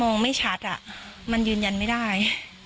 ไม่ชัดอ่ะมันยืนยันไม่ได้